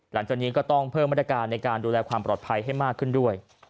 หลังจากนี้ก็ต้องเพิ่มมาตรการในการดูแลความปลอดภัยให้มากขึ้นด้วย